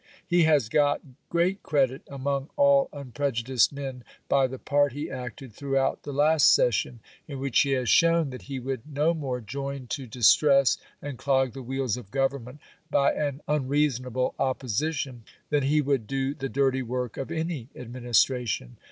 He has got great credit among all unprejudiced men, by the part he acted throughout the last session, in which he has shown, that he would no more join to distress and clog the wheels of government, by an unreasonable opposition, than he would do the dirty work of any administration.